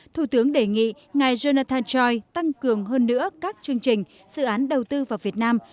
thủ tướng đề nghị ngài gennathan choi tăng cường hơn nữa các chương trình dự án đầu tư vào việt nam